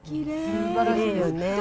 すばらしいよね。